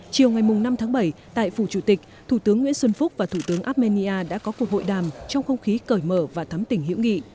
chiều ngày năm tháng bảy tại phủ chủ tịch thủ tướng nguyễn xuân phúc và thủ tướng armenia đã có cuộc hội đàm trong không khí cởi mở và thắm tỉnh hữu nghị